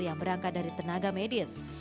yang berangkat dari tenaga medis